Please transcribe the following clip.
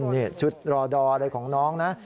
นี่ชุดรอดออะไรของน้องนะ